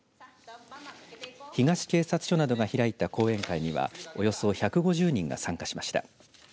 東警察署などが開いた講演会にはおよそ１５０人が参加しました。